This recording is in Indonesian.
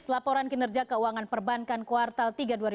laporan kinerja keuangan perbankan kuartal tiga dua ribu dua puluh